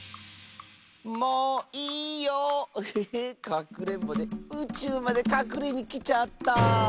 かくれんぼでうちゅうまでかくれにきちゃった」。